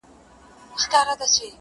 د هغه بد وضعیت، پېژندګلوۍ